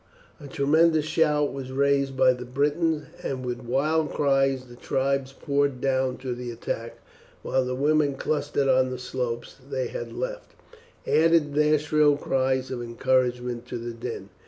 A tremendous shout was raised by the Britons, and with wild cries the tribes poured down to the attack, while the women, clustered on the slopes they had left, added their shrill cries of encouragement to the din.